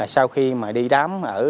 sau khi đi đám ở